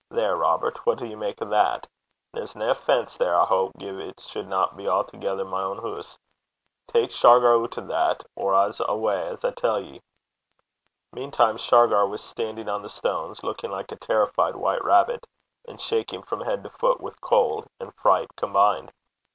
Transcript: There, Robert! what'll ye mak' o' that? There's nae offence, there, I houp, gin it suldna be a'thegither my ain hoose. Tak Shargar oot o' that, or I s' awa' benn the hoose, as I tell ye.' Meantime Shargar was standing on the stones, looking like a terrified white rabbit, and shaking from head to foot with cold and fright combined.